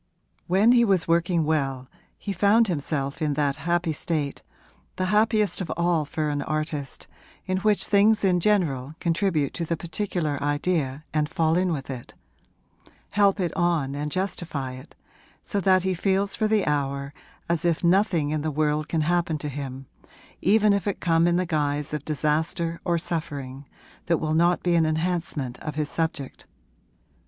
When he was working well he found himself in that happy state the happiest of all for an artist in which things in general contribute to the particular idea and fall in with it, help it on and justify it, so that he feels for the hour as if nothing in the world can happen to him, even if it come in the guise of disaster or suffering, that will not be an enhancement of his subject.